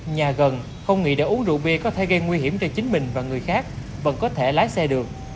nhà gần không nghĩ để uống rượu bia có thể gây nguy hiểm cho chính mình và người khác vẫn có thể lái xe được